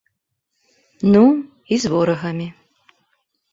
Ну, і з ворагамі.